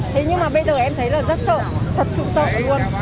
thế nhưng mà bây giờ em thấy là rất sợ thật sự sợ luôn